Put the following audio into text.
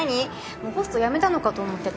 もうホスト辞めたのかと思ってた。